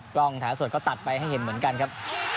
กล้องถ่ายสดก็ตัดไปให้เห็นเหมือนกันครับ